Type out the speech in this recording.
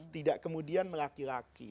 tidak kemudian laki laki